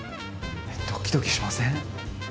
ドキドキしません？